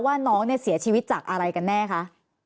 ว่าน้องเนี่ยเสียชีวิตจากอะไรกันแน่คะ